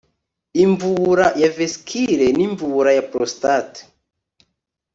imvubura ya vesicule n'imvubura ya porositate